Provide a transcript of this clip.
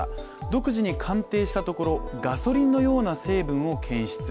独自に鑑定したところガソリンのような成文を検出。